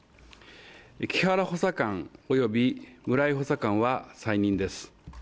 木原補佐官、および村井補佐官は再任です。